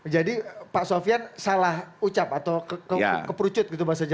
jadi pak sofyan salah ucap atau keperucut gitu bahasa jawa nya